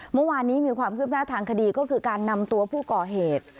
เมื่อวานนี้มีความคืบหน้าทางคดีก็คือการนำตัวผู้ก่อเหตุ